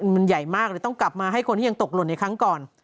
มันใหญ่มากเลยต้องกลับมาให้คนที่ยังตกหล่นในครั้งก่อน